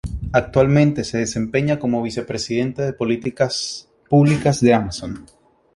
Actualmente se desempeña como vicepresidente de políticas públicas de Amazon.